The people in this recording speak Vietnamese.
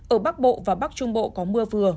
ở bắc bộ và bắc trung bộ có mưa vừa